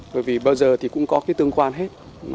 bởi vì bao giờ thì cũng có cái tương quan hết